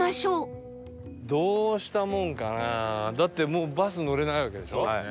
だってもうバス乗れないわけでしょ。